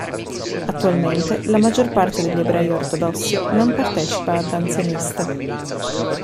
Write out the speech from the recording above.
Attualmente, la maggior parte degli ebrei ortodossi non partecipa a danze "miste".